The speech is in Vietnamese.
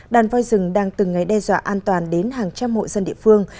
đàn voi rừng đang từng ngày đe dọa an toàn đến hàng trăm hộ dân địa phương